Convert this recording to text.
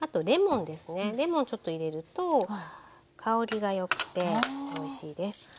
レモンちょっと入れると香りがよくておいしいです。